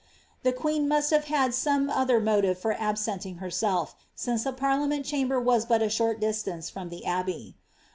' The queen ive had some other motive for absenting herself, since the parlia lamber was but a short distance from the Abbey.